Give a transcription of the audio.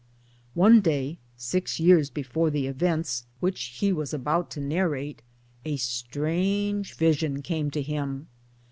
One day six years before the events which he was ;i84 MY DAYS AND DREAMS about to narrate a strange vision came to him.